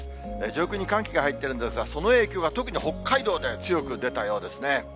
上空に寒気が入ってるんですが、その影響が特に北海道で強く出たようですね。